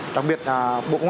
đặc biệt là bộ công an